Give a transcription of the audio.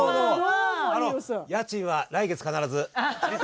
家賃は来月必ず。